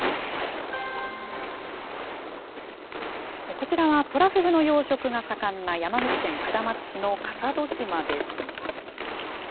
こちらは、トラフグの養殖が盛んな山口県下松市の笠戸島です。